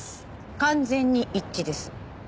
完全に一致です。